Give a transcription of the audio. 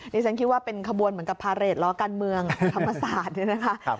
ฉันคิดว่าเป็นขบวนเหมือนกับพาเรทล้อการเมืองธรรมศาสตร์เนี่ยนะคะ